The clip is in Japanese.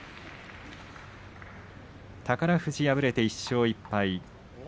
宝富士、敗れて１勝１敗。